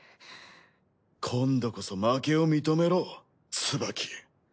今度こそ負けを認めろツバキ。